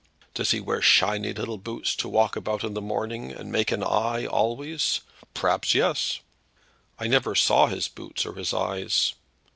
Does he wear shiny little boots to walk about in de morning, and make an eye always? Perhaps yes." "I never saw his boots or his eyes."